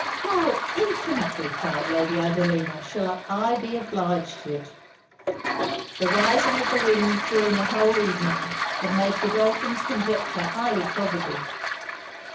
'How infinitely,' cried Lady Adelina, 'shall I be obliged to it.' The rising of the wind during the whole evening had made Godolphin's conjecture highly probable.